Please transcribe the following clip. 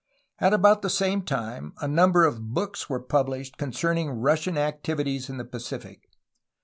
At about the same time a number of books were published concerning Russian activities in the Pacific.